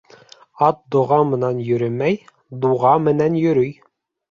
Ат доға менән йөрөмәй, дуға менән йөрөй.